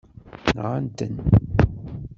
Nɣet-ten.